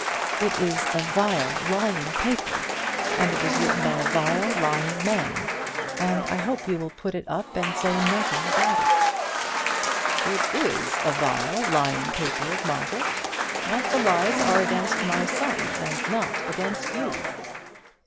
"It is a vile, lying paper, and it was written by a vile, lying man, and I hope you will put it up and say nothing about it." "It is a vile, lying paper, Margaret; but the lies are against my son, and not against you."